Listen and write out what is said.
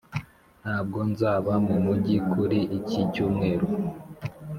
ntabwo nzaba mumujyi kuri iki cyumweru.